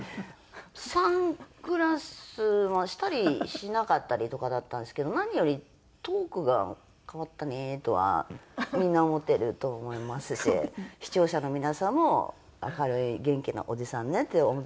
サングラスはしたりしなかったりとかだったんですけど何よりトークが変わったねとはみんな思ってると思いますし視聴者の皆さんも明るい元気なおじさんねって思ってると思います。